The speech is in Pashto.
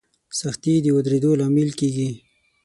سختي د ودرېدو لامل کېږي.